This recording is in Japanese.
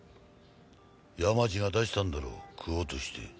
山路が出したんだろう食おうとして。